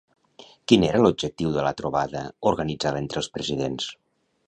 Quin era l'objectiu de la trobada organitzada entre els presidents?